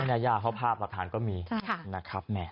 พระนายาเขาพาประทานก็มีนะครับแม่